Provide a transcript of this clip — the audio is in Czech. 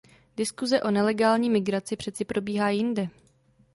Diskuse o nelegální migraci přeci probíhá jinde.